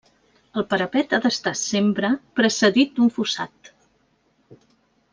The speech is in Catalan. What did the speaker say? El parapet ha d'estar sempre precedit d'un fossat.